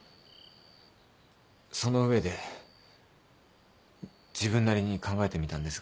その上で自分なりに考えてみたんですが。